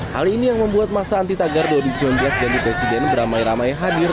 hal ini yang membuat masa anti tagar dua ribu sembilan belas ganti presiden beramai ramai hadir